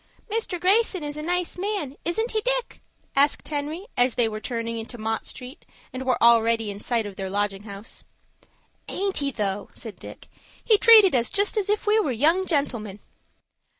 "Mr. Greyson is a nice man,—isn't he, Dick?" asked Henry, as they were turning into Mott Street, and were already in sight of their lodging house. "Aint he, though?" said Dick. "He treated us just as if we were young gentlemen."